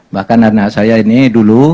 bahkan anak saya ini dulu